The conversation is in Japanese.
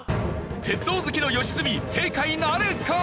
鉄道好きの良純正解なるか？